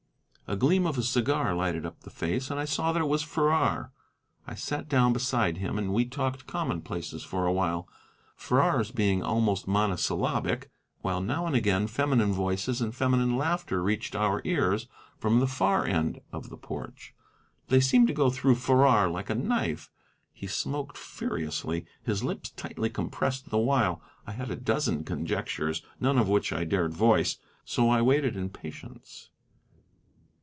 A gleam of a cigar lighted up the face, and I saw that it was Farrar. I sat down beside him, and we talked commonplaces for a while, Farrar's being almost monosyllabic, while now and again feminine voices and feminine laughter reached our ears from the far end of the porch. They seemed to go through Farrar like a knife, and he smoked furiously, his lips tightly compressed the while. I had a dozen conjectures, none of which I dared voice. So I waited in patience.